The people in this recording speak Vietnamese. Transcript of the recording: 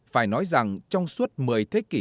phải nói rằng trong suốt một mươi thế kỷ